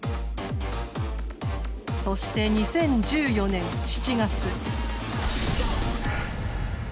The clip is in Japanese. そして２０１４年７月。